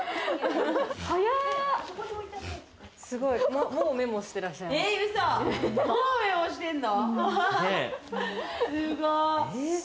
もうメモしてらっしゃいます。